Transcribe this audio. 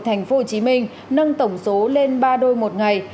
tp hcm nâng tổng số lên ba đôi một ngày